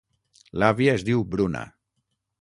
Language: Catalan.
L'àvia es diu Bruna.